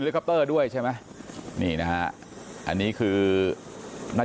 สวัสดีครับสวัสดีครับ